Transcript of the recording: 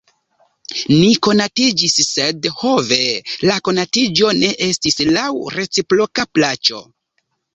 Ni konatiĝis, sed ho ve! la konatiĝo ne estis laŭ reciproka plaĉo.